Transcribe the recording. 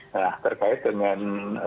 nah terkait dengan